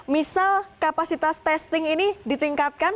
misal kapasitas testing ini ditingkatkan